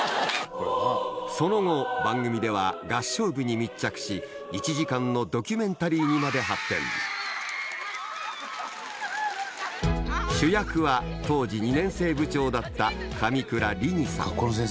その後番組では合唱部に密着し１時間のドキュメンタリーにまで発展主役は当時２年生部長だった上倉里仁さん